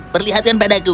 perlihatkan pada aku